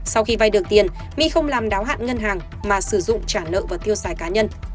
sau khi vay được tiền my không làm đáo hạn ngân hàng mà sử dụng trả nợ và tiêu xài cá nhân